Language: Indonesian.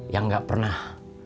yang nggak pernah